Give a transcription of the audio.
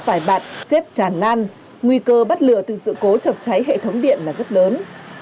phải bặn xếp tràn lan nguy cơ bắt lừa từ sự cố chọc cháy hệ thống điện là rất lớn